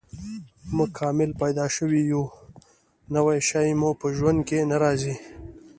موږ کامل پیدا شوي یو، نوی شی مو په ژوند کې نه راځي.